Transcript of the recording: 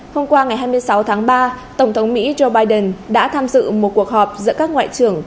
hôm qua ngày hai mươi sáu tháng ba tổng thống mỹ joe biden đã tham dự một cuộc họp giữa các ngoại trưởng